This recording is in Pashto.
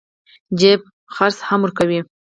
جيب خرڅ هم ورکوي.